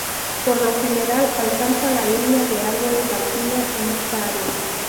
Por lo general alcanza la línea de árboles alpina en esta área.